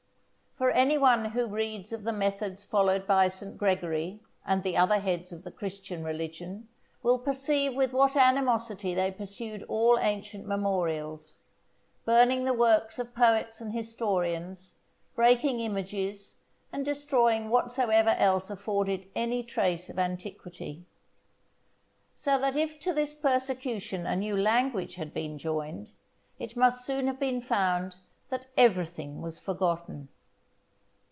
For any one who reads of the methods followed by Saint Gregory and the other heads of the Christian religion, will perceive with what animosity they pursued all ancient memorials; burning the works of poets and historians; breaking images; and destroying whatsoever else afforded any trace of antiquity. So that if to this persecution a new language had been joined, it must soon have been found that everything was forgotten.